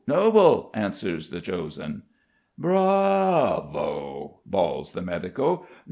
'Noble,' answers 'the chosen.' "'Brrravo!' bawls the medico.